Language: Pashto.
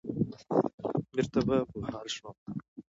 بېرته به په حال شوم.